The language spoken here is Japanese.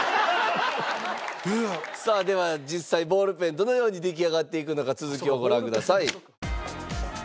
さあでは実際ボールペンどのように出来上がっていくのか続きをご覧ください。